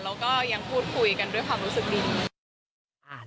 แล้วก็ยังพูดคุยกันด้วยความรู้สึกดี